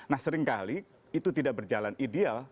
nah seringkali itu tidak berjalan ideal